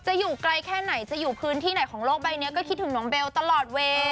อยู่ไกลแค่ไหนจะอยู่พื้นที่ไหนของโลกใบนี้ก็คิดถึงน้องเบลตลอดเวย์